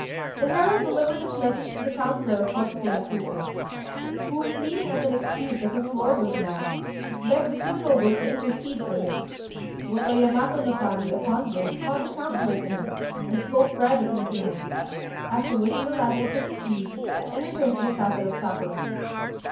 The herald delivered this message to the councillor of Kôtsuké no Suké, who, pleading as an excuse that his lord was mad, begged the two nobles to intercede for him. Gotô Yamato no Kami upon this called the councillor to him, and spoke privately to him, after which the latter took his leave and returned to the castle of Sakura.